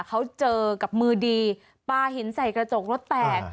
เขาเจอกับมือดีปลาหินใส่กระจกรถแตก